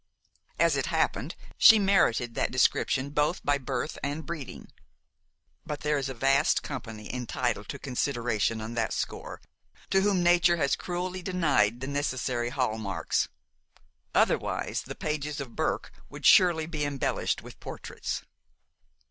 As it happened, she merited that description both by birth and breeding; but there is a vast company entitled to consideration on that score to whom nature has cruelly denied the necessary hallmarks otherwise the pages of Burke would surely be embellished with portraits.